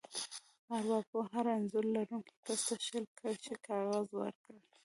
ارواپوه هر انځور لرونکي کس ته شل کرښې کاغذ ورکړ.